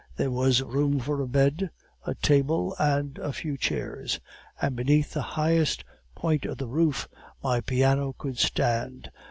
There was room for a bed, a table, and a few chairs, and beneath the highest point of the roof my piano could stand.